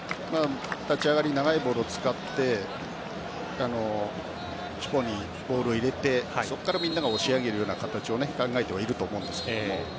立ち上がり、長いボールを使ってチュポにボールを上げてそこからみんなが押し上げる形を考えていると思いますが。